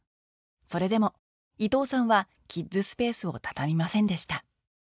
それでも伊藤さんはキッズスペースを畳みませんでした